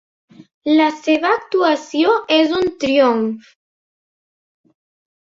La seva actuació és un triomf.